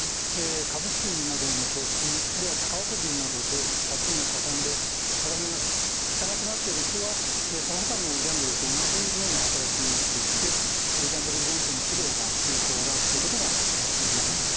株式などへの投資あるいは宝くじなどで借金がかさんで歯止めがきかなくなってる人はそのほかのギャンブルと同じ脳の働きになっていてギャンブル依存症の治療が有効だということが分かっています。